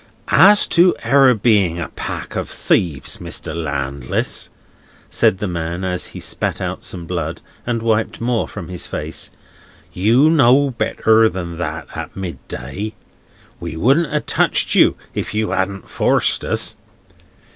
"As to our being a pack of thieves, Mr. Landless," said the man, as he spat out some blood, and wiped more from his face; "you know better than that at midday. We wouldn't have touched you if you hadn't forced us.